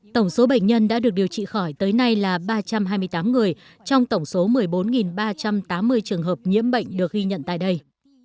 tổng số bệnh nhân đã được điều trị khỏi tới nay là ba trăm hai mươi tám người trong tổng số một mươi bốn ba trăm tám mươi trường hợp nhiễm bệnh được ghi nhận tại đây